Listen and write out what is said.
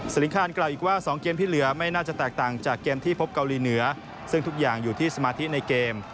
ลิงคารกล่าวอีกว่า๒เกมที่เหลือไม่น่าจะแตกต่างจากเกมที่พบเกาหลีเหนือซึ่งทุกอย่างอยู่ที่สมาธิในเกม